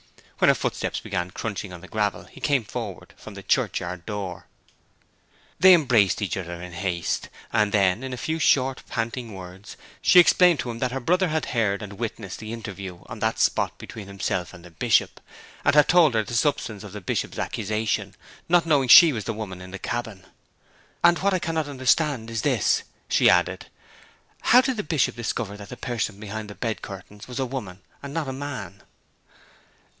When her footsteps began crunching on the gravel he came forward from the churchyard door. They embraced each other in haste, and then, in a few short panting words, she explained to him that her brother had heard and witnessed the interview on that spot between himself and the Bishop, and had told her the substance of the Bishop's accusation, not knowing she was the woman in the cabin. 'And what I cannot understand is this,' she added; 'how did the Bishop discover that the person behind the bed curtains was a woman and not a man?'